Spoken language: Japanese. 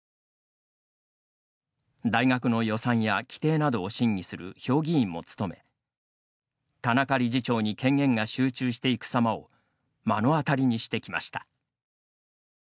大学の予算や規定などを審議する評議員も務め田中理事長に権限が集中していくさまを目の当たりにしてきました。